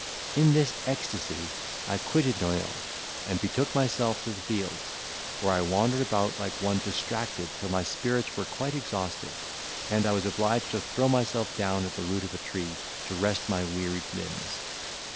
In this ecstacy, I quitted Noyons, and betook myself to the fields, where I wandered about like one distracted, till my spirits were quite exhausted, and I was obliged to throw myself down at the root of a tree, to rest my wearied limbs.